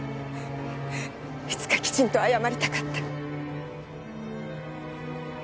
いつかきちんと謝りたかった。